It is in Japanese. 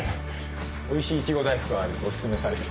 おいしいいちご大福があるとお薦めされて。